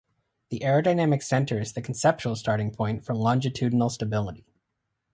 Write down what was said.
The aerodynamic center is the conceptual starting point for longitudinal stability.